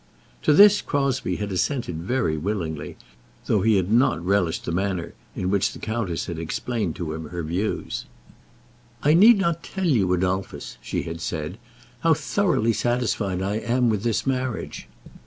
To this Crosbie had assented very willingly, though he had not relished the manner in which the countess had explained to him her views. "I need not tell you, Adolphus," she had said, "how thoroughly satisfied I am with this marriage.